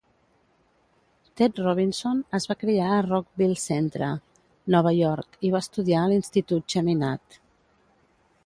Ted Robinson es va criar a Rockville Centre, Nova York i va estudiar a l'institut Chaminade.